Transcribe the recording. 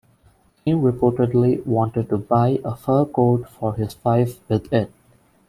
He reportedly wanted to buy a fur coat for his wife with it.